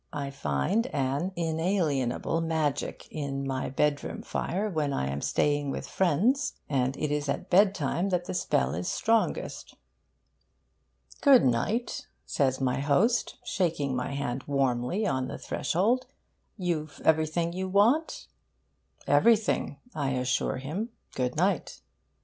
I find an inalienable magic in my bedroom fire when I am staying with friends; and it is at bedtime that the spell is strongest. 'Good night,' says my host, shaking my hand warmly on the threshold; you've everything you want?' 'Everything,' I assure him; 'good night.'